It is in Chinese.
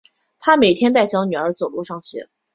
她每天带小女儿走路上学